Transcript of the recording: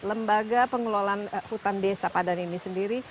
lembaga pengelolaan hutan desa padan ini sendiri